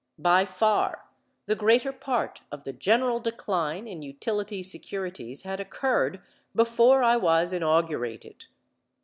By far the greater part of the general decline in utility securities had occurred before I was inaugurated.